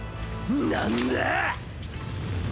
何だ！？